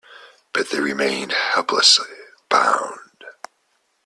But they remained helplessly bound.